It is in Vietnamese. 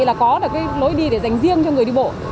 là có được cái lối đi để dành riêng cho người đi bộ